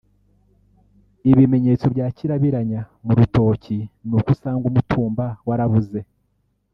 Ibimenyetso bya kirabiranya mu rutoki ni uko usanga umutumba waraboze